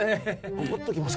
怒っときます